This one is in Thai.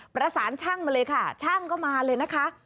ประสานช่างมาเลยค่ะช่างก็มาเลยนะคะ